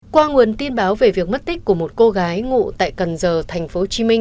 qua nguồn tin báo về việc mất tích của một cô gái ngụ tại cần giờ tp hcm